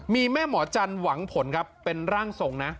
มีแม่หมอจันทร์หวังผลครับเป็นร่างทรงนะ